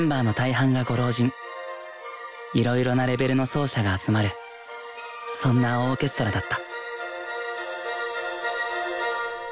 いろいろなレベルの奏者が集まるそんなオーケストラだった。